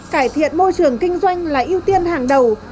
cải thiện môi trường kinh doanh là ưu tiên hàng đầu